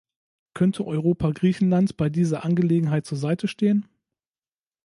Könnte Europa Griechenland bei dieser Angelegenheit zur Seite stehen?